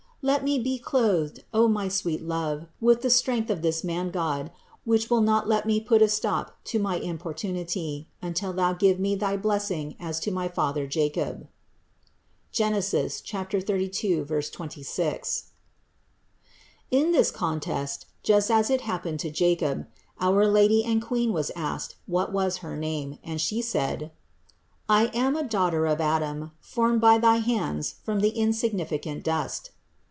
Let me be 58 CITY OF GOD clothed, O my sweet love, with the strength of this Man God, which will not allow me to put a stop to my impor tunity, until Thou give me thy blessing as to my father Jacob" (Gen. 32,26). 55. In this contest (just as it once happened to Jacob) our Lady and Queen was asked, what was her name ; and She said: "I am a daughter of Adam, formed by thy hands from the insignificant dust."